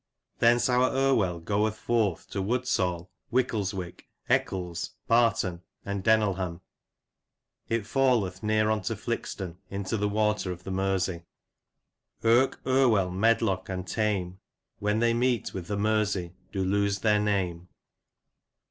Thence our Irwell goeth forward to Woodsall, Whicleswijc, Eccles, Barton, and Denelham, it falleth near unto Flixton, into the water of the Mersey. Yrke, Irwell, Medlocke, and Tame, When they meet with the Mersey, do lose their name."